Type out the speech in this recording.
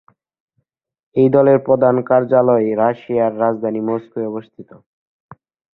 এই দলের প্রধান কার্যালয় রাশিয়ার রাজধানী মস্কোয় অবস্থিত।